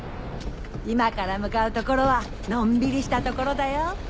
今から向かうところはのんびりしたところだよ。